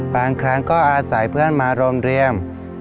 บางครั้งก็อาศัยเพื่อนมาโรงเรียน